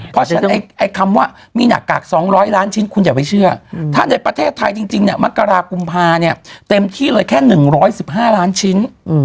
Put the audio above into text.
เพราะฉะนั้นไอ้คำว่ามีหน้ากาก๒๐๐ล้านชิ้นคุณอย่าไปเชื่อถ้าในประเทศไทยจริงเนี่ยมกรากุมภาเนี่ยเต็มที่เลยแค่๑๑๕ล้านชิ้น